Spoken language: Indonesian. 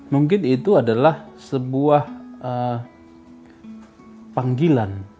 mungkin itu adalah sebuah panggilan